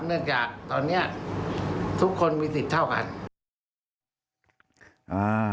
เนื่องจากตอนเนี้ยทุกคนมีสิทธิ์เท่ากันอ่า